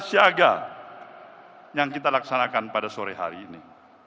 siaga yang kita laksanakan pada sore hari ini